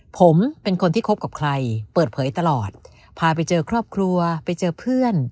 ผมเป็นคนที่คบกับใครเปิดเผยตลอดพาไปเจอครอบครัวไปเจอเพื่อน